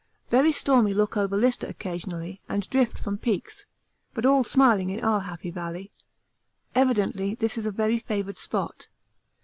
Very stormy look over Lister occasionally and drift from peaks; but all smiling in our Happy Valley. Evidently this is a very favoured spot.)